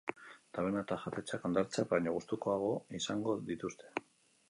Taberna eta jatetxeak hondartzak baino gustukoago izango dituzte.